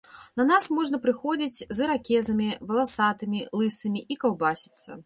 На нас можна прыходзіць з іракезамі, валасатымі, лысымі і каўбасіцца.